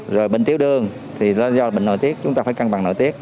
rồi bệnh tiếu đường thì do bệnh nội tiết chúng ta phải căng bằng nội tiết